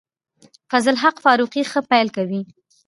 فضل الحق فاروقي ښه پیل کوي.